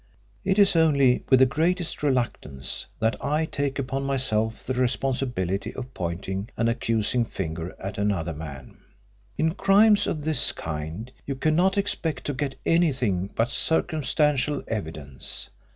It is only with the greatest reluctance that I take upon myself the responsibility of pointing an accusing finger at another man. In crimes of this kind you cannot expect to get anything but circumstantial evidence.